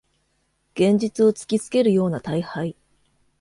現実を突きつけるような大敗